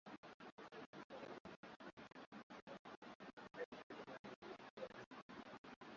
isimila ni eneo la kihistoria lililopo katika kijiji cha ugwachanya